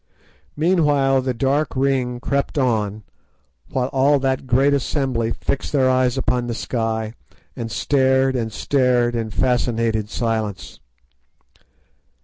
Meanwhile the dark ring crept on, while all that great assembly fixed their eyes upon the sky and stared and stared in fascinated silence.